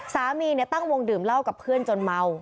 ตั้งวงดื่มเหล้ากับเพื่อนจนเมา